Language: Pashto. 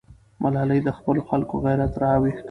ملالۍ د خپلو خلکو غیرت راویښ کړ.